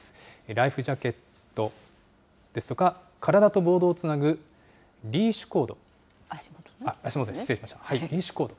ライフジャケットですとか、体とボードをつなぐリーシュコード、失礼しました、リーシュコード。